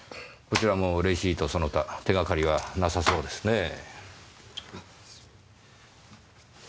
こちらもレシートその他手がかりはなさそうですねぇ。